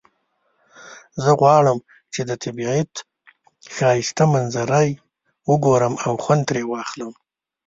زه غواړم چې د طبیعت ښایسته منظری وګورم او خوند ترینه واخلم